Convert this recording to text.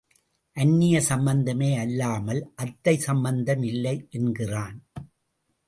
அன்னிய சம்பந்தமே அல்லாமல் அத்தை சம்பந்தம் இல்லை என்கிறான்.